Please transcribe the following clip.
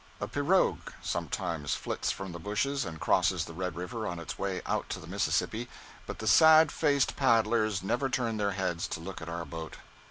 A pirogue sometimes flits from the bushes and crosses the Red River on its way out to the Mississippi, but the sad faced paddlers never turn their heads to look at our boat.